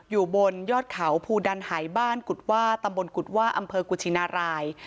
อยู่บนยอดเขาภูดันหายบ้านกุฎว่าตำบลกุฎว่าอำเภอกุชินาราย